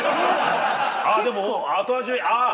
あっでも後味ああっ！